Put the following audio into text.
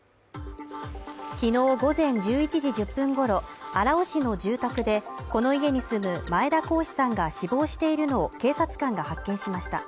昨日午前１１時１０分頃、荒尾市の住宅でこの家に住む前田好志さんが死亡しているのを警察官が発見しました。